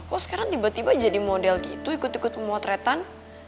kok sekarang tiba tiba jadi model gitu ikut ikut pemotretan